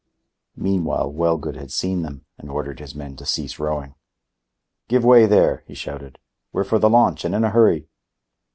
Meanwhile Wellgood had seen them and ordered his men to cease rowing. "Give way, there," he shouted. "We're for the launch and in a hurry."